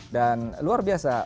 dan luar biasa